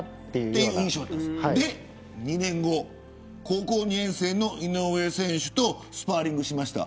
それで２年後高校２年生の井上選手とスパーリングをしました。